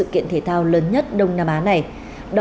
khi khám chữa bệnh